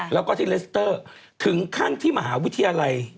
แล้วก็ที่เลสเตอร์ถึงขั้นที่มหาวิทยาลัย